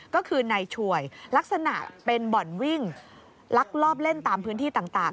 ก็คือนายฉวยลักษณะเป็นบ่อนวิ่งลักลอบเล่นตามพื้นที่ต่าง